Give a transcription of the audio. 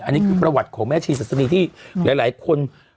อันนี้คือประวัติของแม่ชีสัสดีที่หลายคน